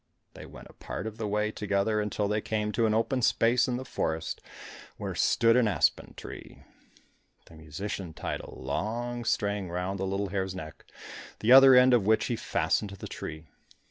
They went a part of the way together until they came to an open space in the forest, where stood an aspen tree. The musician tied a long string round the little hare's neck, the other end of which he fastened to the tree.